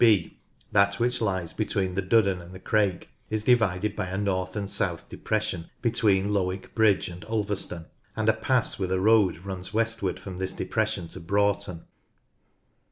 (/;) That which lies between the Duddon and the Crake is divided by a north and south depression between Lowick Bridge and Ulverston, and a pass with a road runs westward from this depression to Broughton.